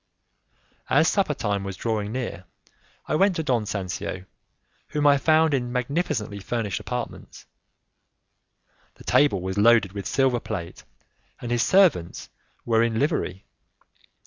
As supper time was drawing near, I went to Don Sancio, whom I found in magnificently furnished apartments. The table was loaded with silver plate, and his servants were in livery.